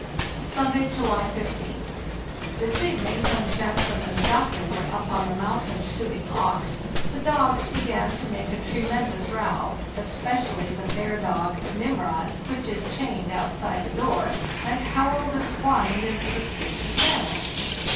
"Sunday, July 15th. This evening, when Jackson and the doctor were up on.the mountain shooting auks, the dogs began to make a tremendous row (especially the bear dog ' Nimrod,' which is chained outside the door), and howled and whined in a suspicious manner.